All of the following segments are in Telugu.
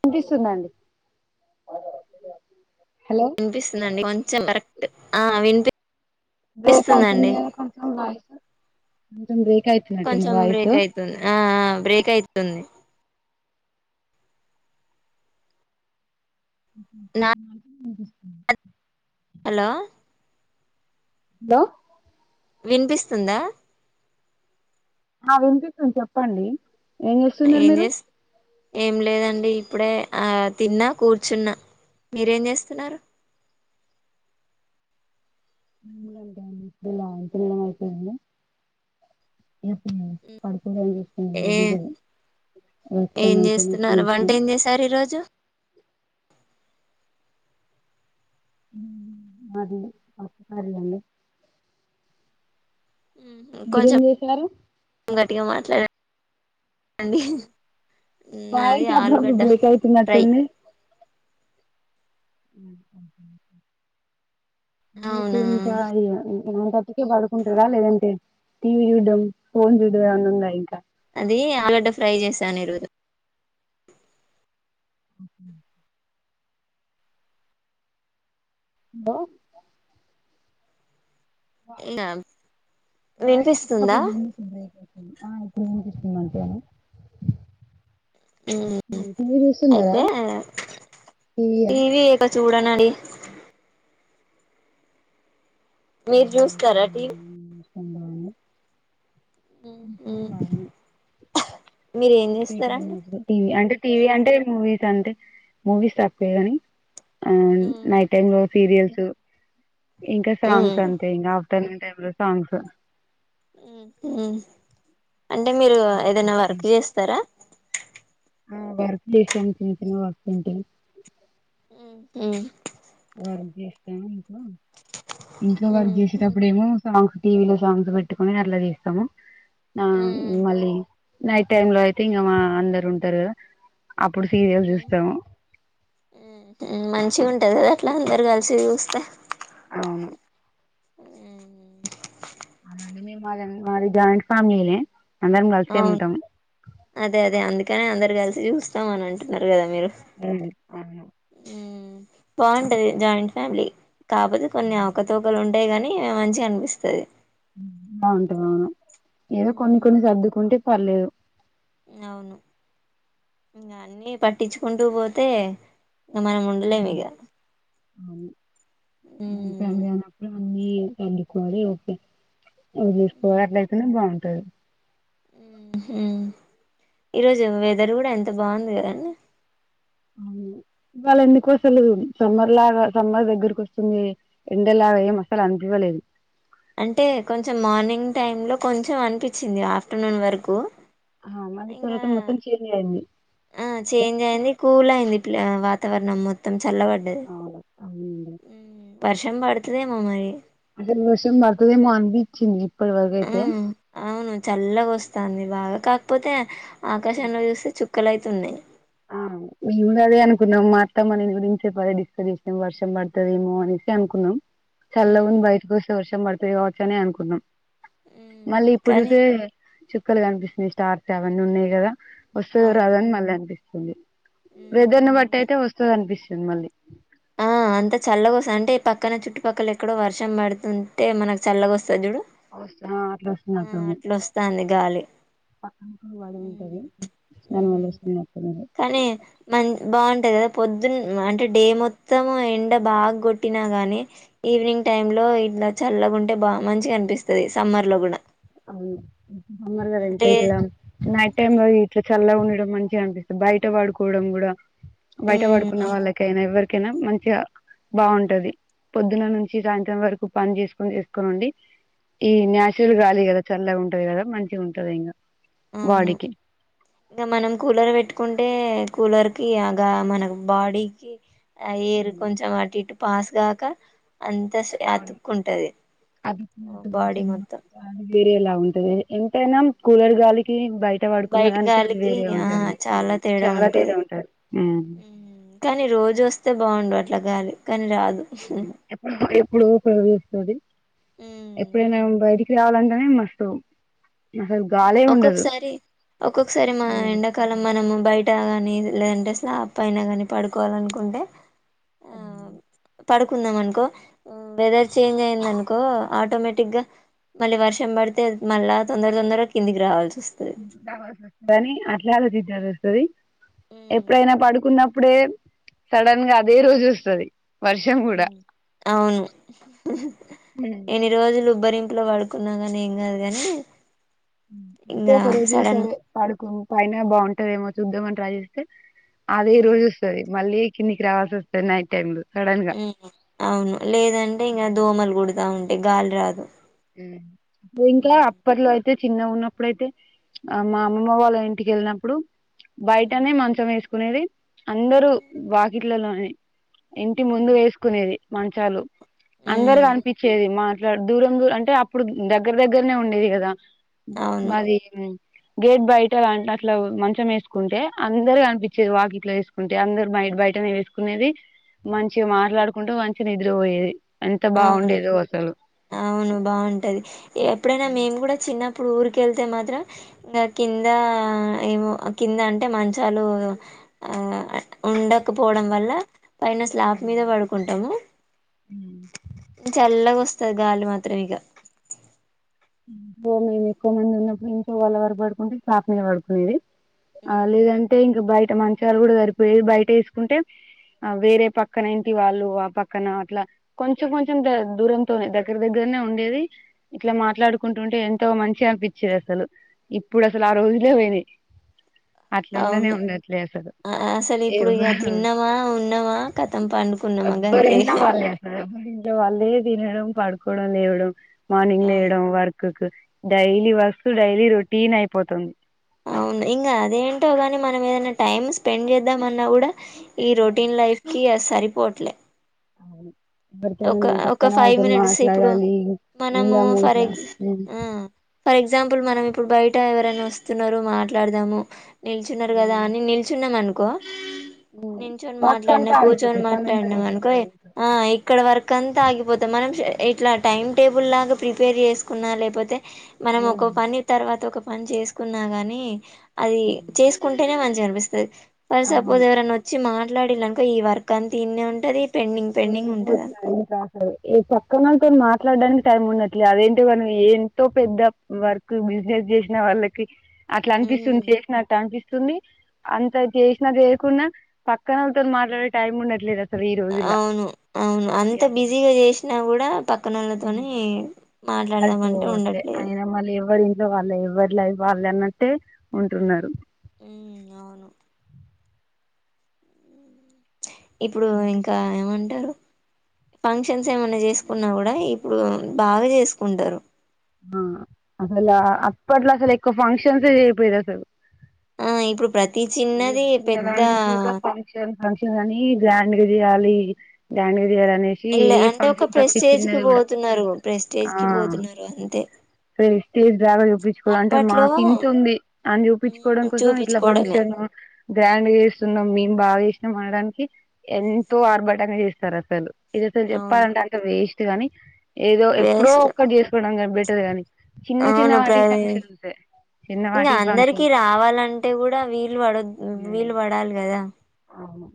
విన్ పిస్తుందండి విన్పిస్తుందండీ ఫోన్ ఉచ్చ కరెక్ట్ ఆ విన్పి కొ కొ [unintelligible] అయితుంది గానీ కొంచం వాయ్స్ కొంచం బ్రేక్ అయితున్నట్టుంది కొంచెం వాయ్స్ తుంది హెలో లో విన్పిస్తుంద ఆ విన్పిస్తుంది చెప్పండి ఏం చేస్తున్నారు ఏన్ మీరు జేస్ ఏం లేదండి ఇప్పుడే ఆ తిన్నా కూర్చున్న మీరేం జేస్తున్నారు తినడం అయిపోయింద ఏ [inaudible] ఏం చేస్తున్నారు వంట ఏం చేశారు ఈరోజు పడుకోడానికి ఆహు మాది పప్పు చారు అండి మీరేం చేసారు ట్టిగా మాట్లా డండి వాయిస్ అప్పుడప్పుడు బ్రేక్ అయి నట్టు ఫ్రై ఉంది [inaudible] మీకీ అవునా ఇంక అయి య టెన్ థర్టీ కి పడుకుంటరా లేదంటే టీవీ చూడడం ఫోన్ చూడడం అని ఉందా ఇంకా అదీ ఆలుగడ్డ ఫ్రై చేశాను రోజు ఉహు దొ ఇంకా వాయిస్ వినిపిస్తుందా అప్పుడప్పుడు బ్రేక్ అవుతుంది ఆ ఇప్పుడు విన్పిస్తుంది అంటె మ్మ్. టీవి చూస్తున్నార అయితే టీవా చూడనండీ మీరు బాగానే చూస్తారా టీవి [inaudible] బాగానే మీరు ఏం ఫ్రీ టైమ్ చేస్తారండి దొరికితే టివి అంటే టీవీ అంటే మూవీస్ అంటే మూవీస్ తక్కువే కానీ ఆ నైట్ టైం సీరియల్సు ఇంకా సాంగ్స్ మ్మ్ అంతే ఇంకా పని లేని టైం లో సాంగ్స్ హు అంటే మీరు ఏదైనా వర్క్ చేస్తారా ఆ వర్క్ చేస్తాం చిన్న చిన్న వర్క్ ఉంటే ఉహు వర్క్ చేస్తా ఇంట్లో ఇంట్లో వర్క్ మ్మ్ చేసేటప్పుడు ఏమో సాంగ్స్ టీవీ లో సాంగ్స్ పెట్టుకుని అట్లా చేస్తాము ఆ మ్మ్ మళ్ళీ నైట్ టైమ్ లో అయితే ఇంకా మా అందరు ఉంటారు కదా అప్పుడు సీరియల్ చూస్తాము టది కదా అట్లా అందరు కలిసి చూస్తే అవును ఉ మేము మాది మాది జాయింట్ ఫ్యామిలీనే అందరం కలిసే ఉంటాం కనే అందరు కలిసి చూస్తామని అంటున్నారు కదా మీరు దండి అవును బాంటది జాయింట్ ఫ్యామిలీ కాకపోతే కొన్ని అవకతూకలు ఉంటాయి గానీ అని మంచిగనిపిస్తాది బాగుంటి మేము ఏదో కొన్ని కొన్ని సర్దుకుంటే పర్లేదు అవును ఇంక అన్ని పట్టించుకుంటూ పోతే ఇక మనం ఉండలే మిగ అవును ఏ [inaudible] వస్తాయ్ కోట్ల అయితేనే బాంటది టె ఉహు ఈరోజు వెదర్ కూడా ఎంత బాగుంది కదండి అవును ఇవాళ ఎందుకు అసలు సమ్మర్ లాగా సమ్మర్ దగ్గరకు వస్తుంది ఎండలాగా ఏం అసలు అనిపివ్వలేదు అంటే కొంచెం మార్నింగ్ టైమ్ లో కొంచెం అనిపిచింది ఆఫ్టర్నూన్ వరకు ఆ మల్లి ఇంగ తర్వాత మొత్తం చేంజ్ అయింది ఆ చేంజ్ అయింది కూల్ అయింది పీలే వాతావరణం మొత్తం చల్లపడ్డది అవును అవునండి వర్షం పడుతదేమో మరి అసలు వర్షం పడ్తదేమో అనిపిచ్చింది ఆ అవును చల్లగా వస్తంది బాగా కాకపోతే ఆకాశంలో చూస్తే చు క్కలు లైతేవున్నయి ఆ మేము గూడ అదే అనుకున్నాం మా అత్తమ దీని గురించె అదే డిస్కస్ చేసినం వర్షం పడుతదేమో అనేసి అనుకున్నాం చల్లగుంది ఉమ్ బయటి కోస్తే వర్ష పడు తేకావచ్చనే అనుకున్న ఉమ్ మళ్ళీ కానీ ఇప్పుడుకే చెప్ చుక్కలు కనిపిస్తునయి స్టార్స్ అవన్ని ఉన్నయి కదా వస్తదో అవును రాదొ అని మల్ల అనిపి చందే వెదర్న్ ఉమ్ బట్టి అయితే వస్తది అనిపిస్త మిమ్మల్ని ఆ అంత చల్ల కోస్త అంటే ఈ పక్కన చుట్టుపక్కల ఎక్కడో వర్షం పడుతుంటే మనకు చల్ల గోస్త ఆ అట్లా అస్తున్నటుంది అట్లొస్తాంది గాలి పక్కనకి పడి ఉంటది హ్మ్. హ్మ్. [unintelligible] అంటే కదా పొద్దున్న అంటే డే మొత్తం మొత్తం ఎండ బాగా కొట్టినా గానీ ఈవినింగ్ టైమ్ లో ఇట్లా చల్లగుంటే బాగా మంచిగా అనిపిస్తది సమ్మర్ లో కూడా అవును సమ్మర్ గద ఇంక లే ఇట్లా నైట్ టైమ్ లో ఇట్లా చల్ల ఉండడం మంచిగా అనిపిస్తది బయట పడుకోవడం కూడా బయట మ్మ్ వడుకున్న వాళ్ళకయినా ఎవరి కేనా మంచిగా బాగుంటది పొద్దున్న నుంచి సాయంత్రం వరకు పని చేసుకొని చేసుకొని ఉండి ఈ నాచురల్ గాలి కదా చల్లగా ఉంటది కదా మంచిగా ఉంటుది ఇంగా అవును ఇంగా మనం కూలర్ పెట్టుకుంటే కూలర్ కి అగా మనకు బాడీకి ఆ ఏరు కొంచెం మాటిట్ పాస్ గాక అంత అతుక్కుంటది బాడీ మొత్తం వేరే ఎలా ఉంటది ఎంతైనా కూలర్గాలికి బయట లికి ఆ చాలా తేడా ఉంటది కానీ రోజు వస్తే బాగుండారు ట్గాలి కానీ రాదు ఆ ఇప్పుడు ఉపయోగగిస్తుంది హ్మ్ ఎప్పుడనా బైటి కావాలంటేనే మస్తుం ఒక్కొక్కసారి ఒక్కొక్కసారి మా ఎండాకాలం మనము బయట అట్టా గాని లేదంటే అసలు అప్పా అయినా కాని పడుకోవాలనుకుంటే ఆ పడుకుందాం అనుకో వెదర్ చేంజ్ అయింది అనుకో ఆటోమేటిక్ గా మళ్ళీ వర్షం పడితే మళ్ళా తొందర కందికి రాల్ వా ాలజద్దారుస్తురిీ ఉమ్ ఎప్పుడైనా పడుకున్న అప్పుడే సడన్ గా అదే రోజు వస్తుంది అవును ఎన్ని రోజులు కొబ్బరింపులో పడుకున్నా ని ఏం కాదు ని ఇ ఒక రోజు సరే పాడుకొని పైైన బాగుంటాదేమో చూద్దామని ట్రై చేస్తే అదే ఉమ్ రోజు వస్తుంది మళ్ళీ కిన్నికి రావాస వస్తే నైట్ టైమ్లు అవును లేదంటే ఇంకా దోమలు గుడతా ఉంటు గాల్ రాదు ఏ ఇంకా ఉమ్ అప్పట్లో అయితే అయితే చిన్న ఉన్నప్పుడుయితే ఆ మా అమ్మమ్మ వాళ్ళ ఇంటికి వెళ్ళినప్పుడు ఉమ్ బయటనే మంచం వేసుకు కునేది అందరుూ వాకిట్లలోని ఇంటి ముందు ఉమ్ వేసుకునేది మంచాలు అందరు ఉమ్ కనిపించేది మా దూరం దూర్ అం అంటే అప్పుడు దగ్గర దగ్గరనే ఉండేది కదా అవును మాది గేట్ బయట అలా అట్లా మంచం వేసుకుంటే అందరు కనిపించేది వాకిట్లో వేసుకుంటే అందరు బయట బయటనే వేసుకునేది మంచి ఉమ్ మాట్లాడుకుంటూ మం చి నిద్ర పొయెది ఎంత బాగుండేదో అస్సలు బాగుంటది ఎప్పుడైనా మేము కూడా చిన్న ఇప్పుడు ఊరికి ఎళ్తే మాత్రం ఇంకా కింద ఏమో కింద అంటే మంచాలు ఉండకపోవడం వల్ల పైన స్లాప్ మీద పడుకుంటాము ఉ చల్లగా వస్తది గాలి మాత్రము ఇగ ఒకవేళ మేము ఎక్కువ మంది ఉన్నప్పుడు. ఇంట్లొ వాళ్ళు ఎవరు పడుకుంటే సాప మీద పడుకునేది అ హ్మ్. లేదంటే ఇంకా బయ్ ట మంచాలు కూడా సరిపోయేవి బయట ఏసుకుంటే. ఆ వేరే పక్కన ఇంటి వాళ్ళు ఆ పక్కన అట్లా కొంచెం కొంచెం దూరంతోనే దగ్గర దగ్గరనే ఉండేది ఇట్లా మాట్లాడుకు. కుంటుంటే ఎంతో మంచిగా అనిపించేది అసలు ఇప్పుడు అస్సలు ఆ రోజులే పోయినాయి అట్లా ఉండనే అవును ఉండట్లే అసలు అసలు ఇప్పుడు ఇక ఎవ్వరు తిన్నామా ఉన్నామా కథం పండుకున్నామా గంతే ఇంట్లో వాళ్ళే తినడం పడుకోవడం లేవడం మార్నింగ్ అవును. లేవడం వర్ work daily work daily routine అయిపోతుంది అవును ఇంకా అదేంటో గని మనం ఏదైనా టైమ్ స్పెండ్ చేద్దాంమన్నా కూడా ఈ రొటీన్ లైఫ్ కి అస్ సరిపోట్లే అవును ఎరితోనన్న పక్కన వాళ్ళతో మినిట్స్ ఇప్పుడు మాట్లాడాలి మనము ఉందాము ఫర్ ఇట్లా ఎగ్జ్ ఉ ఆ ఫర్ ఎగ్జాంపుల్ మనం ఇప్పుడు బయట ఎవరైనా వస్తున్నారు మాట్లాడదాము నిలుచున్నారు కదా అని నిల్చున్నాం అను కొ నించోని మాట్లాడినా కూర్చొని మాట్లాడినాం అనుకో ఆ ఇక్కడ వర్క్ అంత ఆగిపోతే మనం షె ఇట్లా టైమ్ టేబుల్ లాగా ప్రిపేర్ చేసుకున్నా లేకపోతే మనం ఒక పని తర్వాత ఒక పని చేసుకున్నా గాని అది చేసుకుంటేనే మంచిగా అని పిస్తాది ఫార్ సపోజ్ ఎవరనోచ్చి మాట్ మాట్లాడిళనుకో ఈ వర్క్ అంతిడ్నే ఉంటది. పెడింగ్ పెండింగ్ ఉంట్ టైం ఉంటే అస్సల్ ఏ పక్కనతో మాట్లాడడానికి టైం ఉన్నట్లే అదేంటే మనం ఎంతో పెద్ద వర్క్ బిజినెస్ చేసిన వాళ్ళకి. అట్లా ఉమ్ అనిపిస్తుంది. చేసినట్టు అనిపిస్ తుంది. అంత చేసినా చేయకుండా పక్క వాళ్ళతో మాట్లాడే టైం ఉండట్లేదు అస్సల్ ఈ రోజుల్లా అవును అవును అంత బిజీగా చేసినా కూడా పక్కన వాళ్ళతోని మాట్లాడదామంటే సరిపోవట్లే ఉండట్లేదు. అయినా మళ్ళీ ఎవరి వాళ్ళు ఎవ్వరులే వాళ్ళు అన్నట్టే ఉంటున్నారు. ఉహ్ అవును ఇప్పుడు ఇంకా ఏమంటారు. ఫంక్షన్స్ ఏమైన్నా చేసుకున్నా కూడా ఇప్పుడు బాగా చేసుకుంటారు. ఆహ్ అసలు అప్పట్లో అసలు ఎక్కువ ఫంక్షన్స్ చేయపోయేది అసలు. ఆ ఇప్పుడు ప్రత్ తి చిన్నది పెద్ద ఫంక్షన్ అనీ గ్రాండ్ గా చేయ్యాలి గ్రాండ్ గ్ అనేసి ఎల్ ఈ అంటే ఒక ఫంక్షన్ ప్రతి ప్రెస్టేజ్ కి చిన్నది గూడా. పోతున్నారు ప్రెస్టేజ్ కి ఆహ్ పోతున్నారు అంతే ప్రెస్టేజ్ బాగా చూపించుకోవడం అంటే అప్పట్లో మాకింతుంది. అని హ్మ్. చూపించుకోవడం కోసం ఇట్లా చూపించుకోవడమే ఫంక్షన్ చెను గ్రాండ్ గా చేస్తున్నాం. మేము బాగా చేసినాం అనడానికి ఎంతో ఆర్భటంగా చేస్తారు అసలు. ఇదిసలు అవును చెప్పాలంటె అంత వేస్ కాని ఏదో ఎప్పుడో వేస్ట్ ఒక్కటి చేసుకోడానీక్ బెటర్ గానీ చిన్న చిన్న వాటికి ఫంక్షన్సే ఇంగా అందరికి రావాలంటే కూడా వీల్ ల్ పడ్డోద్ వీలు పడాలి గద్ దా అవును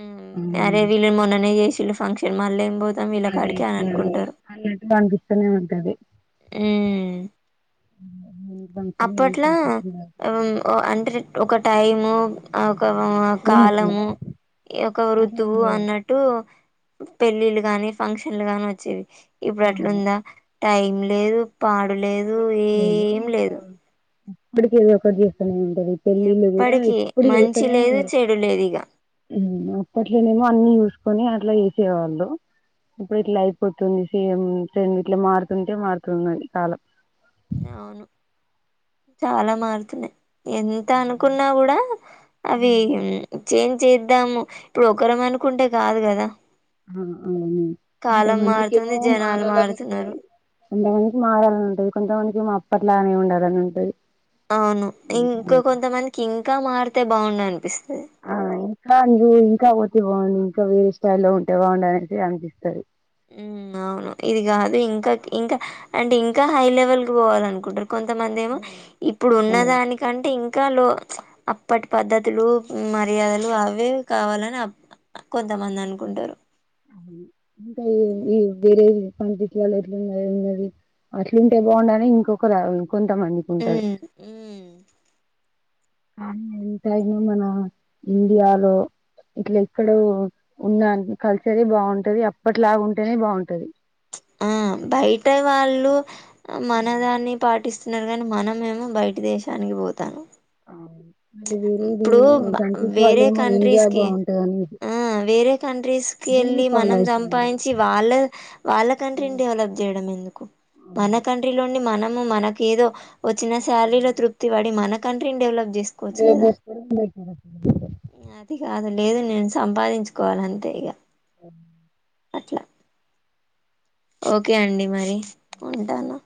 ఉమ్మ్ అరే వీళ్ళు మొన్ననే చేస్ ఈళ్ళ ఫంక్షన్ మల్లెం పోతాం వీళ్లా కాడికి అని అనుకుంటారు. అన్నట్టుగా అనిపిస్తూనే ఉంటది ఉహ్మ్ ఏ ఫంక్షన్ ఏ అప్పట్లా ఫంక్షన్ ఓ అంటే రెం ఒక టైము అగ్ ఒక కాలము ఒక ఋతువు అన్నట్టు పెళ్ళిళ్ళ గాని ఫంక్షన్లు గాని వచ్చేవి ఇప్పుడు అట్లుందా టైం లేదు పా లేదు ఏం లేదు ఇప్పడికీ ఏదో ఒకటి జేత్తనే పెళ్ళిళ్ళు కూడా ఎప్పటికి ఎప్పుడు మంచి చేస్తూనే లేదు ఉన్నారు చెడు లేదు ఇగ అప్పట్లోనేమో అన్ని చూ కొన్ని అట్లా వేసేవాళ్ళు ఇప్పుడు ఇట్లా అయిపోతుంది సేమ్ సేమ్ ఇట్లా మారుతుంటే మారుతున్నది కాలం అవును చాలా మారుతున్నాయి ఎంత అనుకున్నా కూడా అవి చేంజ్ చేద్దాము ఇప్పుడు ఒకరం అనుకుంటే కాదు కదా ఆ అవును కాలం కొంతమందికి మారుతుంది ఏమో జనాలు మారాలని మారుతున్నారు ఉంటది కొంతమందికి మారాలని ఉంటది కొంతమందికేమో అప్పట్లానే ఉండాలని ఉంటది అవును ఇంకా కొంతమందికి ఇం ఇంకా మారితే బాగుండు అనిపిస్తది ఆ ఇంకా నువ్వు ఇంకా పోతే బాగుండు ఇంకా వేరే స్థాయిలో ఉంటే బాగుండు అనేసి అనిపిస్తది అవును ఇది కాదు ఇంకా ఇంకా అంటే ఇంకా హై లెవెల్ కి పోవాల అనుకుంటరు కొంతమందేమో ఇప్పుడు ఉన్న దానికంటే ఇంకా [unintelligible] అప్పటి పద్ధతులు మర్యాదలు అవే కావాలని కొంతమంది అనుకుంటారు ఉమ్ ఇంకా ఈ వేరేది పండితు వాళ్ళు ఎట్లున్న ఉన్నది అట్లుంటే బాగుండని ఇంకొక రా ఆ కానీ ఎంతైనా మన ఇండియాలో ఇట్లా ఎక్కడ ఉన్న కల్చరే బాగుంటది అప్పట్లాగా ఉంటేనే బాగుంటది ఆ బయట వాళ్ళు మనదాన్ని పాటిస్త కానీ మనంమేమో బయట దేశానికి పోతానం అవు ఇప్పుడు వేరే కంట్రీస్ క ఆ వేరే కంట్రీస్ క వెళ్ళి మనం సంపాదించి వాళ్ళ వాళ్ళ కంట్రీని డెవలప్ చేయడం ఎందుకు మన కంట్రీలోని మన మనకు ఏదో వచ్చిన శ్యాలీలో తృప్తి వాడి మనకు కంట్రీ డవలప్ చే ఏ బెస్ప బ అది కాదు లేదు నేను సంపాదించుకోవాలి అంతే ఇక హా అట్లా ఓకే అండి అ మరి ఉంటాను